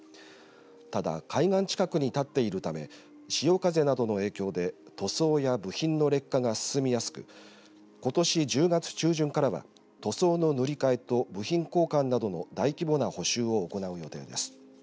ただ海岸近くに建っているため潮風などの影響で塗装や部品の劣化が進みやすくことし１０月中旬からは塗装の塗り替えと部品交換などの大規模な補修を行う予定です。